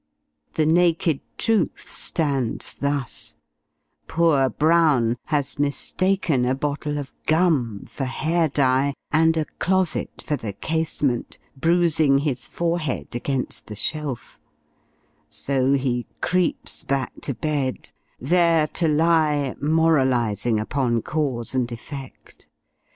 The naked truth stands thus: Poor Brown has mistaken a bottle of gum for hair dye, and a closet for the casement bruising his forehead against the shelf; so, he creeps back to bed there to lie, moralizing upon cause and effect!